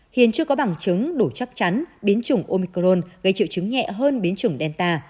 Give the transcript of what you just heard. hiện chưa có bằng chứng đủ chắc chắn biến chủng omicron gây triệu chứng nhẹ hơn biến chủng delta